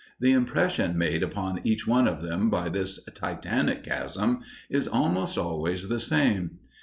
The impression made upon each one of them by this titanic chasm is almost always the same.